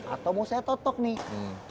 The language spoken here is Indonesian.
atau mau saya cocok nih